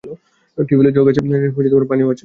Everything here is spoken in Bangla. টেবিলে জগ আছে, পানিও আছে।